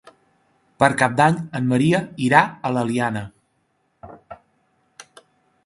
Per Cap d'Any en Maria irà a l'Eliana.